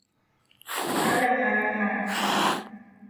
Ale kara kara.